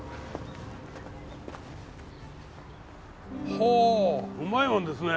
ほううまいもんですね。